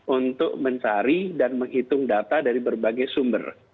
untuk mencari dan menghitung data dari berbagai sumber